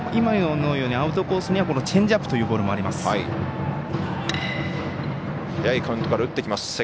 アウトコースにはチェンジアップというボールもあります。